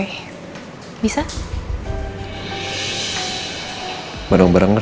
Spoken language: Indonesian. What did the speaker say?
semua barang barangnya roy